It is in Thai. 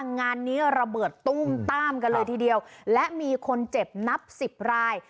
งานนี้ระเบิดตุ้มต้ามกันเลยทีเดียวและมีคนเจ็บนับสิบราย